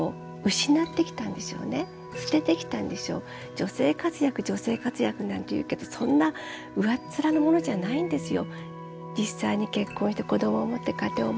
女性活躍女性活躍なんていうけどそんな上っ面なものじゃないんですよ。